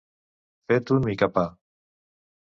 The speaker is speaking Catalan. Fet un micapà.